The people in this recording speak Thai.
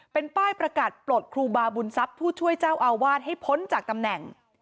เป็นป้ายประกาศปลดครูบาบุญทรัพย์ผู้ช่วยเจ้าอาวาสให้พ้นจากตำแหน่ง